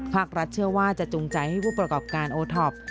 ภาครัฐเชื่อว่าจะจูงใจให้ผู้ประกอบการโอท็อป